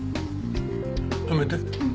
止めて。